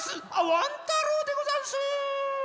ワン太郎でござんす。